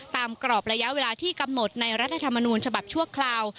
กรอบระยะเวลาที่กำหนดในรัฐธรรมนูญฉบับชั่วคราว